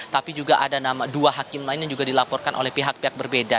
tapi juga ada dua hakim lain yang juga dilaporkan oleh pihak pihak berbeda